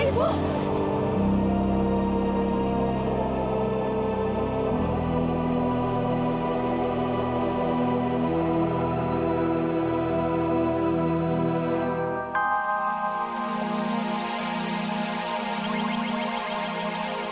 ya allah ibu